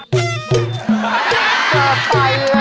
เจอใครล่ะคะเดี๋ยวไม่รู้เลย